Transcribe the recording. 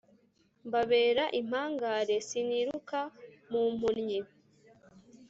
Mbabera impangare siniruka mu mpunnyi